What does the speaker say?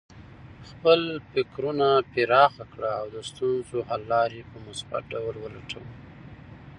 خپل فکرونه پراخه کړه او د ستونزو حل لارې په مثبت ډول ولټوه.